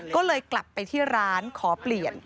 ก็เลยกลับไปที่ร้านขอเปลี่ยน